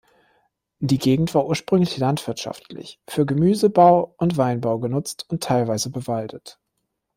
Die Gegend war ursprünglich landwirtschaftlich für Gemüseanbau und Weinbau genutzt und teilweise bewaldet.